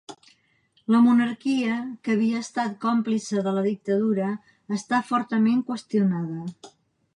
La monarquia, que havia estat còmplice de la dictadura, està fortament qüestionada.